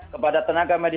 kepada tenaga medis